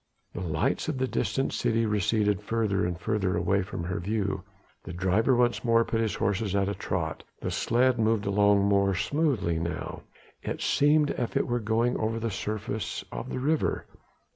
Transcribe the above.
The lights of the distant city receded further and further away from her view, the driver once more put his horses at a trot, the sledge moved along more smoothly now: it seemed as if it were going over the surface of the river.